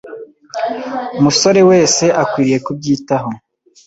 musore wese akwiriye kubyitaho